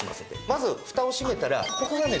まずフタを閉めたらここがね